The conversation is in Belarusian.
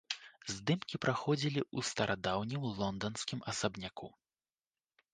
Здымкі праходзілі ў старадаўнім лонданскім асабняку.